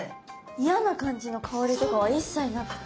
嫌な感じの香りとかは一切なくて。